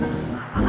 gue bingung deh